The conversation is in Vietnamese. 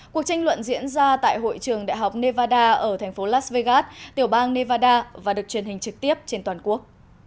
cuộc tranh luận diễn ra tại hội trường đại học nevada ở thành phố las vegas tiểu bang nevada và được truyền hình trực tiếp trên toàn quốc